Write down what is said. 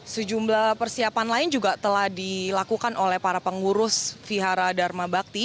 sejumlah persiapan lain juga telah dilakukan oleh para pengurus vihara dharma bakti